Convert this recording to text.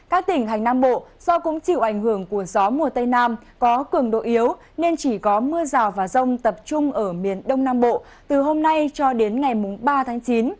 các tỉnh hành nam bộ do cũng chịu ảnh hưởng của gió mùa tây nam có cường độ yếu nên chỉ có mưa rào và rông tập trung ở miền đông nam bộ từ hôm nay cho đến ngày ba tháng chín